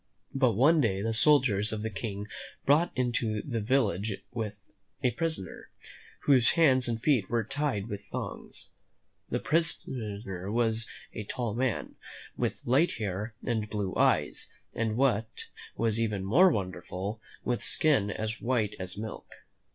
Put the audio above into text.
But one day the soldiers of the King brought into the village a prisoner, whose hands and feet were tied with thongs. This prisoner was a tall man, with light hair and blue eyes, and, what was even more wonderful, with skin as white as milk.